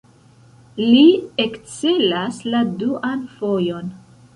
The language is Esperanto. Li ekcelas la duan fojon.